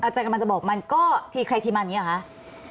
อาจารย์กำลังจะบอกมันก็ทีใครทีมานี้เหรอคะ